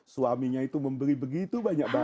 suaminya itu membeli begitu banyak barang